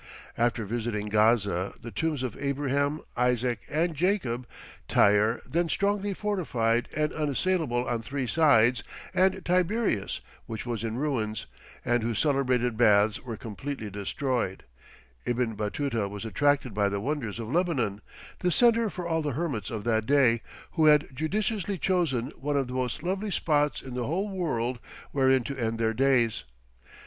] After visiting Gaza, the tombs of Abraham, Isaac, and Jacob, Tyre, then strongly fortified and unassailable on three sides, and Tiberias, which was in ruins, and whose celebrated baths were completely destroyed, Ibn Batuta was attracted by the wonders of Lebanon, the centre for all the hermits of that day, who had judiciously chosen one of the most lovely spots in the whole world wherein to end their days.